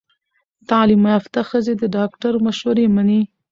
تعلیم یافته ښځې د ډاکټر مشورې مني۔